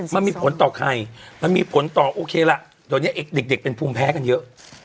มันมีผลต่อใครมันมีผลต่อโอเคล่ะเดี๋ยวนี้เด็กเป็นภูมิแพ้กันเยอะ